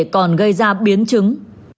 còn gây ra biến chứng